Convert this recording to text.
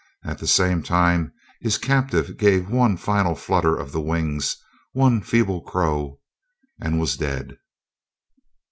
At the same time his captive gave one final flutter of the wings, one feeble crow, and was dead.